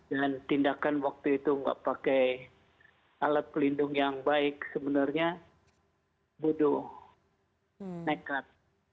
dan tindakan waktu itu nggak pakai alat pelindung yang baik sebenarnya bodoh nekat